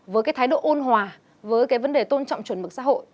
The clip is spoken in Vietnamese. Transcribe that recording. với cái thái độ ôn hòa với cái vấn đề tôn trọng chuẩn mực xã hội